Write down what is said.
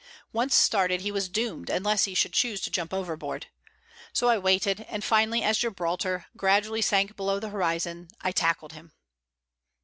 Once started, he was doomed, unless he should choose to jump overboard. So I waited, and finally, as Gibraltar gradually sank below the horizon, I tackled him.